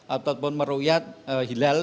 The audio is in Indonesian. ataupun merukyat hilal